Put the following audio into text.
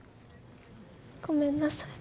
ごめんなさい。